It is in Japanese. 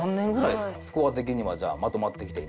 スコア的にはじゃあまとまってきて？